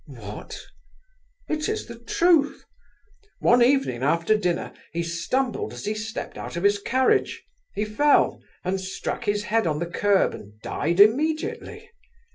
"What?" "It is the truth. One evening after dinner he stumbled as he stepped out of his carriage. He fell, and struck his head on the curb, and died immediately.